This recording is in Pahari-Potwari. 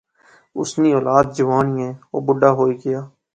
اس نی اولاد جوان یہ او بڈھا ہوئی گیا